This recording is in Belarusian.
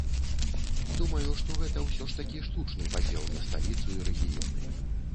Думаю, што гэта ўсё ж такі штучны падзел на сталіцу і рэгіёны.